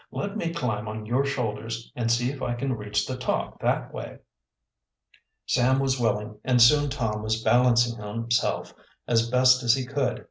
Let me climb on your shoulders and see if I can reach the top that way." Sam was willing, and soon Tom was balancing himself as best he could.